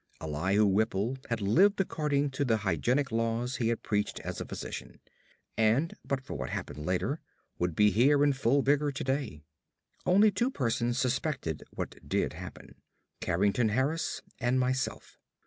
Elihu Whipple had lived according to the hygienic laws he had preached as a physician, and but for what happened later would be here in full vigor today. Only two persons suspected what did happen Carrington Harris and myself.